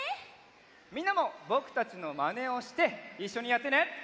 みんなもぼくたちのまねをしていっしょにやってね！